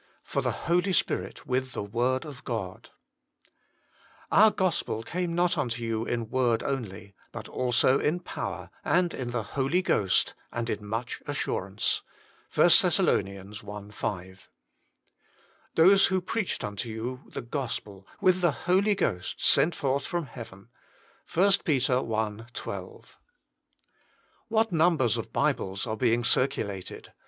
|F0r the Hfolg Spirit uriilj the Morb of "Our gospel came not unto you in word only, but also in power, and in the Holy Ghost, and in much assurance." 1 THESS. i. 5. " Those who preached unto you the gospel with the Holy Ghost sent forth from heaven." 1 PET. i. 12. What numbers of Bibles are being circulated.